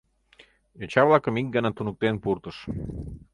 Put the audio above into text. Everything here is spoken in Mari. Йоча-влакым ик гана туныктен пуртыш.